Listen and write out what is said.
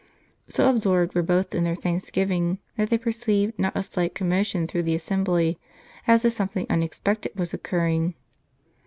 So absorbed were both in their thanksgiving, that they perceived not a slight commotion through the assembly, as if something unex pected was occurring.